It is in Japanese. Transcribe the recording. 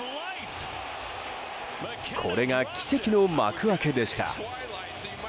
これが奇跡の幕開けでした。